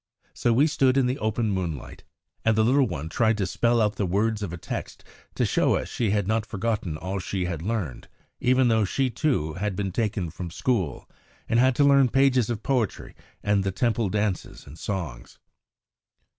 So we stood in the open moonlight, and the little one tried to spell out the words of a text to show us she had not forgotten all she had learned, even though she, too, had been taken from school, and had to learn pages of poetry and the Temple dances and songs.